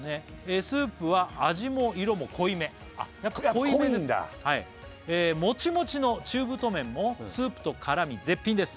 「スープは味も色も濃いめ」やっぱ濃いんだ「もちもちの中太麺もスープと絡み絶品です」